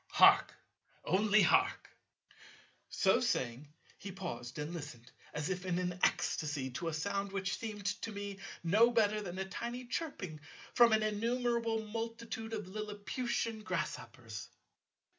Hark, only hark!" So saying he paused and listened, as if in an ecstasy, to a sound which seemed to me no better than a tiny chirping from an innumerable multitude of lilliputian grasshoppers.